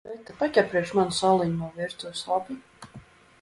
Beta, paķer priekš manis aliņu no virtuves, labi?